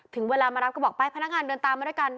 ถึงเวลามารับก็บอกไปพนักงานเดินตามมาด้วยกัน